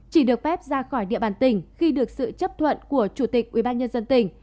chỉ được phép ra khỏi địa bàn tỉnh khi được sự chấp thuận của chủ tịch ubnd tỉnh